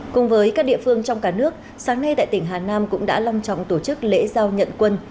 cùng với các địa phương trong cả nước sáng nay tại tỉnh hà nam cũng đã long trọng tổ chức lễ giao nhận quân